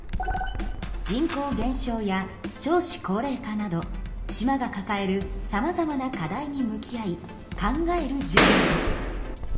人口減少や少子高齢化など島がかかえるさまざまな課題に向き合い考える授業です。